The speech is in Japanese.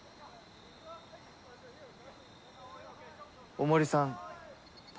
大森さん